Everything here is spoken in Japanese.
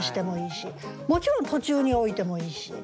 もちろん途中に置いてもいいし。